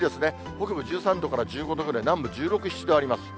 北部１３度から１５度ぐらい、南部１６、７度あります。